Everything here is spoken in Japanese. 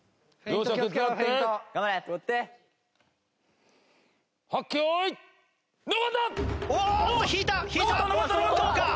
どうか？